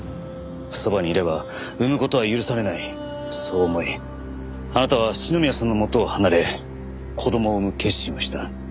そばにいれば産む事は許されないそう思いあなたは篠宮さんのもとを離れ子供を産む決心をした。